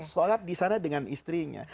sholat disana dengan istrinya